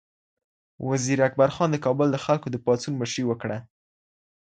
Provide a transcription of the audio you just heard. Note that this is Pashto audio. وزیر اکبر خان د کابل د خلکو د پاڅون مشري وکړه.